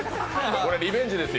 これ、リベンジですよ